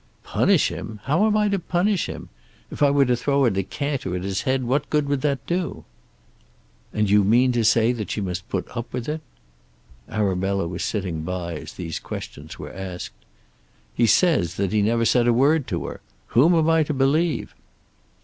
"Punish him! How am I to punish him? If I were to throw a decanter at his head, what good would that do?" "And you mean to say that she must put up with it?" Arabella was sitting by as these questions were asked. "He says that he never said a word to her. Whom am I to believe?"